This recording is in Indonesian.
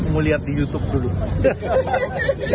mau lihat di youtube dulu deh